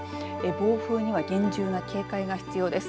暴風には厳重な警戒が必要です。